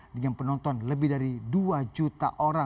dengan penonton lebih dari dua juta orang